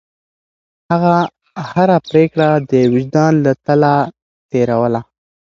هغه هره پرېکړه د وجدان له تله تېروله.